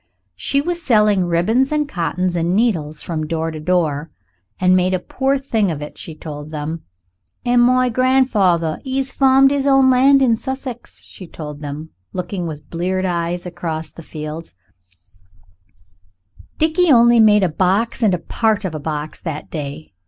She was selling ribbons and cottons and needles from door to door, and made a poor thing of it, she told them. "An' my grandfather 'e farmed 'is own land in Sussex," she told them, looking with bleared eyes across the fields. Dickie only made a box and a part of a box that day.